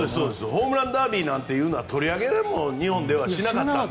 ホームランダービーなんていうのは、取り上げるのも日本ではしなかった。